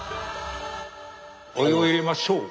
お湯を入れましょう。